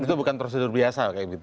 itu bukan prosedur biasa kayak begitu